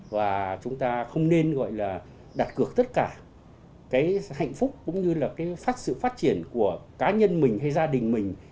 và chúng ta không nên gọi là đặt cược tất cả cái hạnh phúc cũng như là cái sự phát triển của cá nhân mình hay gia đình mình